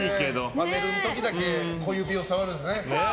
パネルの時だけ小指を触るんですね。